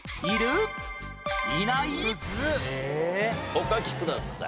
お書きください。